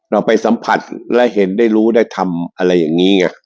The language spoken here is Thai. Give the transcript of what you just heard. เราไปสัมผัสและเห็นได้รู้ได้ทำอะไรอย่างนี้ไง